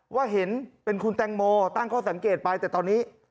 ว่าเห็นเป็นคุณแตงโมตั้งข้อสังเกตไปแต่ตอนนี้